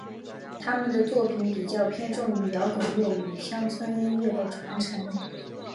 他们的作品比较偏重于摇滚乐对乡村音乐的传承。